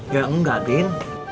ya enggak tin